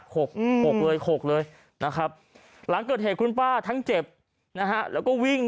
หกอืมหกเลยหกเลยนะครับหลังเกิดเหตุคุณป้าทั้งเจ็บนะฮะแล้วก็วิ่ง